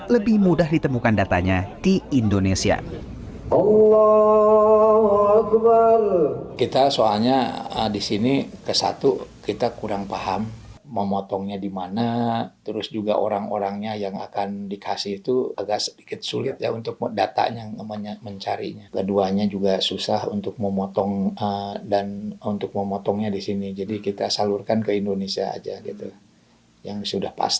lebih mudah ditemukan datanya di indonesia